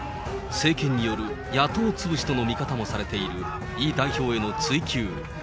政権による野党潰しとの見方もされている、イ代表への追及。